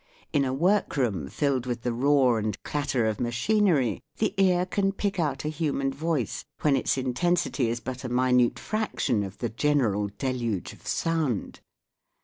In a workroom filled with the roar and clatter of machinery the ear can pick out a human voice when its intensity is but a minute fraction of the general deluge of sound.